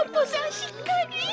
しっかり。